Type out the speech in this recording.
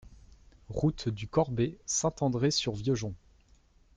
Route du Corbet, Saint-André-sur-Vieux-Jonc